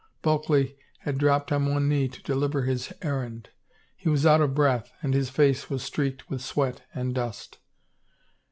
Bulkley had dropped on one knee to deliver his errand ; he was out of breath and his face was streaked with sweat and dust.